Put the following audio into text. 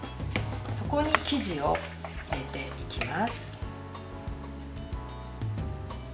そこに生地を入れていきます。